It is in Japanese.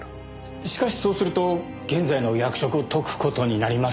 しかしそうすると現在の役職を解く事になりますが。